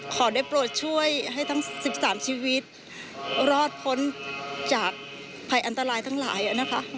ขอได้โปรดช่วยให้ทั้ง๑๓ชีวิตรอดพ้นจากภัยอันตรายทั้งหลายนะคะ